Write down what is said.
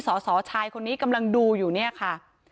สอสอชายคนนี้กำลังดูอยู่เนี่ยค่ะ